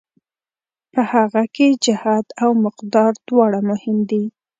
په هغه کې جهت او مقدار دواړه مهم دي.